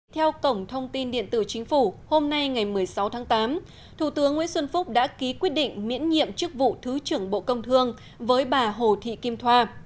theo cổng thông tin điện tử chính phủ hôm nay ngày một mươi sáu tháng tám thủ tướng nguyễn xuân phúc đã ký quyết định miễn nhiệm chức vụ thứ trưởng bộ công thương với bà hồ thị kim thoa